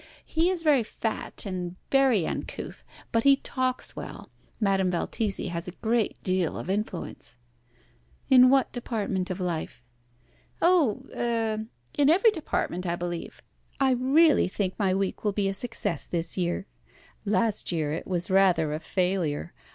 He is very fat, and very uncouth, but he talks well. Madame Valtesi has a great deal of influence." "In what department of life?" "Oh er in every department, I believe. I really think my week will be a success this year. Last year it was rather a failure.